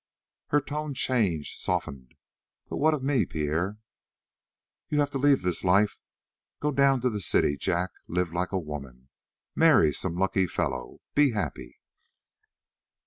Her tone changed, softened: "But what of me, Pierre?" "You have to leave this life. Go down to the city, Jack. Live like a woman; marry some lucky fellow; be happy."